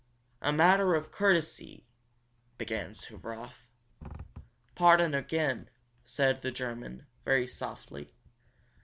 "A matter of courtesy " began Suvaroff. "Pardon again," said the German, very softly.